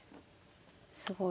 すごい。